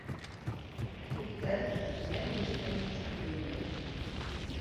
Күптәр, миңә килешмәй, тип кеймәй.